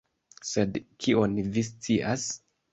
Sed kion vi scias?